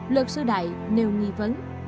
luật sư đại nêu nghi vấn